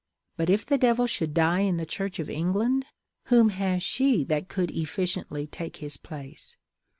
But if the Devil should die in the Church of England, whom has she that could efficiently take his place?